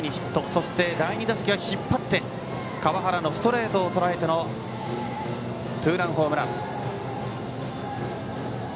そして第２打席は引っ張って川原のストレートをとらえてのツーランホームラン。